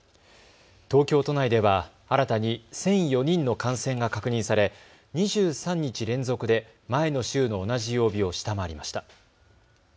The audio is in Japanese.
東京都内では新たに１００４人の感染が確認され２３日連続で前の週の同じ曜日を下回りました。